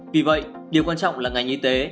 vì vậy điều quan trọng là ngành y tế